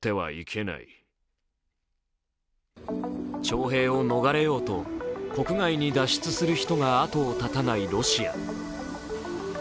徴兵を逃れようと、国外に脱出する人が後を絶たないロシア。